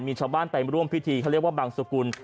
มีชาวบ้านไปร่วมพิธีเขาเรียกว่าบังสุกุล